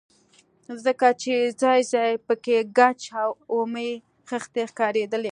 ځکه چې ځاى ځاى پکښې ګچ او اومې خښتې ښکارېدلې.